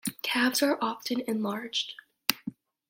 Calves are often enlarged.